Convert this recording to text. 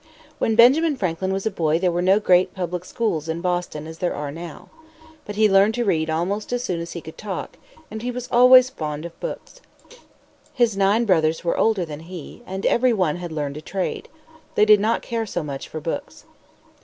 When Benjamin Franklin was a boy there were no great public schools in Boston as there are now. But he learned to read almost as soon as he could talk, and he was always fond of books. His nine brothers were older than he, and every one had learned a trade. They did not care so much for books.